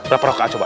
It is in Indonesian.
berapa rokaan coba